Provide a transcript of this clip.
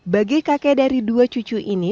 bagi kakek dari dua cucu ini